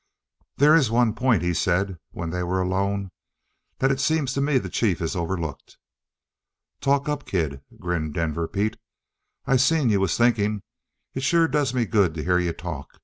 "There is one point," he said when they were alone, "that it seems to me the chief has overlooked." "Talk up, kid," grinned Denver Pete. "I seen you was thinking. It sure does me good to hear you talk.